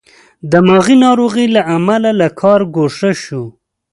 دماغې ناروغۍ له امله له کاره ګوښه شو.